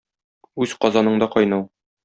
Үз казаныңда кайнау.